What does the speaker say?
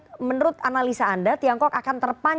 apakah kemudian menurut analisa anda tiongkok akan terpancing